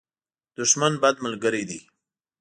دښمن، بد ملګری دی.